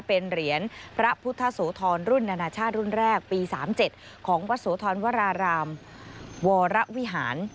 เป็นเหรียญพระพุทธโสธรรุ่นนานาชาติรุ่นแรกปี๓๗ของวัดโสธรวรารามวรวิหาร